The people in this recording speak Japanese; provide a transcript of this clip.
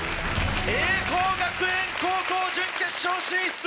栄光学園高校準決勝進出。